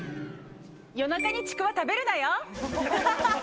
夜中にちくわ食べるなよ。